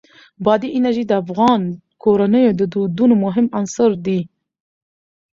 بادي انرژي د افغان کورنیو د دودونو مهم عنصر دی.